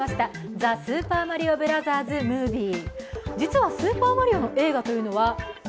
「ザ・スーパーマリオブラザーズ・ムービー」。